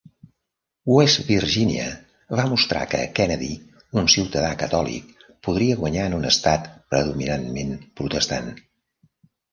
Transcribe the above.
West Virginia va mostrar que Kennedy, un ciutadà catòlic, podria guanyar en un estat predominantment protestant.